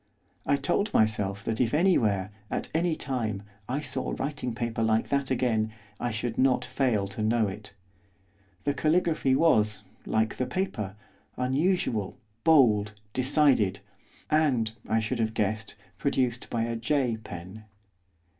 I told myself that if anywhere, at any time, I saw writing paper like that again, I should not fail to know it. The caligraphy was, like the paper, unusual, bold, decided, and, I should have guessed, produced by a J pen.